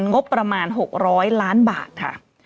งบประมาณ๖๐๐ล้านบาทค่ะ